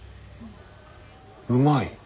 うまい。